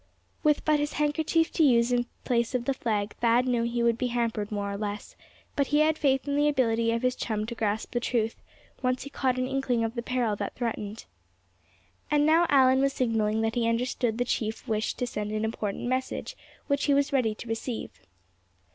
With but his handkerchief to use in place of the flag, Thad knew he would be hampered more or less; but he had faith in the ability of his chum to grasp the truth, once he caught an inkling of the peril that threatened. And now Allan was signaling that he understood the chief wished to send an important message, which he was ready to receive.